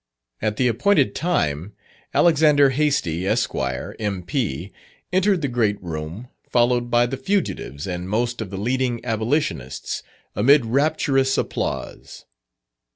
At the appointed time, Alex. Hastie, Esq., M.P., entered the great room, followed by the fugitives and most of the leading abolitionists, amid rapturous applause.